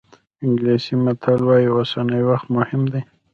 انګلیسي متل وایي اوسنی وخت مهم دی.